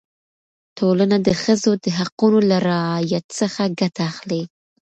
ټولنه د ښځو د حقونو له رعایت څخه ګټه اخلي.